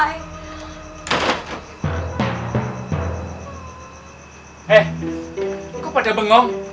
eh kok pada bengong